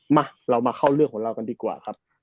มาเรามาเข้าเรื่องของเรากันดีกว่าครับ